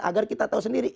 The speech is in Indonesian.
agar kita tahu sendiri